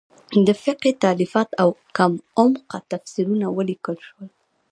د فقهې تالیفات او کم عمقه تفسیرونه ولیکل شول.